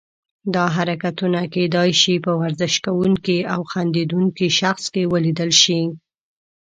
دا حرکتونه کیدای شي په ورزش کوونکي او خندیدونکي شخص کې ولیدل شي.